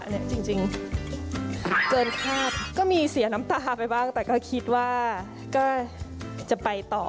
อันนี้จริงเกินคาดก็มีเสียน้ำตาไปบ้างแต่ก็คิดว่าก็จะไปต่อ